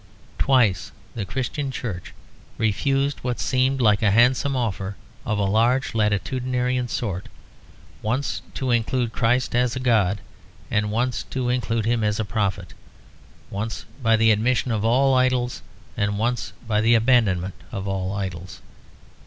Twice the Christian Church refused what seemed like a handsome offer of a large latitudinarian sort; once to include Christ as a god and once to include him as a prophet; once by the admission of all idols and once by the abandonment of all idols.